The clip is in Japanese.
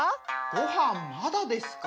・ごはんまだですか？